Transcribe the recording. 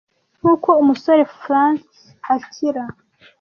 Nkuko umusore Fancy akira